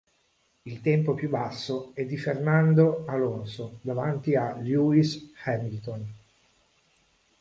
Il tempo più basso è di Fernando Alonso, davanti a Lewis Hamilton.